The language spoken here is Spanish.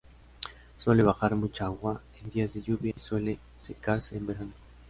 Suele bajar mucha agua en días de lluvia; y suele secarse en verano.